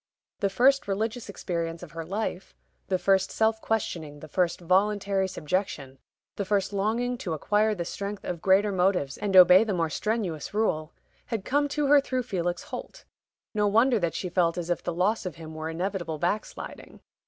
The first religious experience of her life the first self questioning, the first voluntary subjection, the first longing to acquire the strength of greater motives and obey the more strenuous rule had come to her through Felix Holt. No wonder that she felt as if the loss of him were inevitable backsliding.